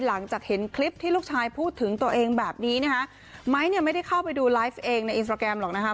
หลังจากเห็นคลิปที่ลูกชายพูดถึงตัวเองแบบนี้นะคะไม้เนี่ยไม่ได้เข้าไปดูไลฟ์เองในอินสตราแกรมหรอกนะคะ